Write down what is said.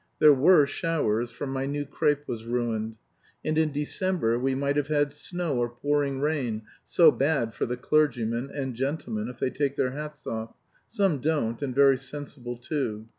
There were showers, for my new crape was ruined. And in December we might have had snow or pouring rain so bad for the clergyman and gentlemen, if they take their hats off. Some don't; and very sensible too.